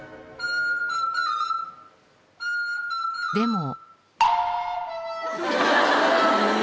でも